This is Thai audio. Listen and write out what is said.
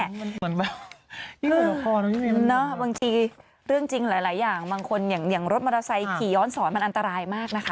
เหมือนแบบบางทีเรื่องจริงหลายอย่างบางคนอย่างรถมอเตอร์ไซค์ขี่ย้อนสอนมันอันตรายมากนะคะ